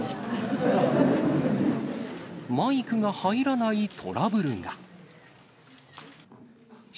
マイクが入らないトラブルが。